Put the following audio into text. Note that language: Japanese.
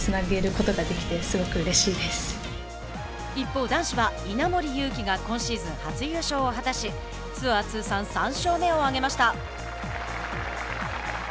一方、男子は稲森佑貴が今シーズン初優勝を果たしツアー通算３勝目を挙げました。